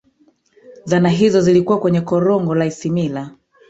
zana hizo zilikuwa kwenye korongo la isimila